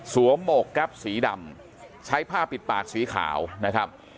สวมโหมกกับสีดำใช้ผ้าปิดปากสีขาวนะครับ